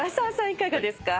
いかがですか？